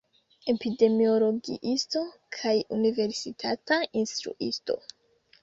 Epidemiologiisto kaj universitata instruisto.